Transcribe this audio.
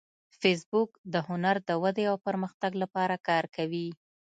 فېسبوک د هنر د ودې او پرمختګ لپاره کار کوي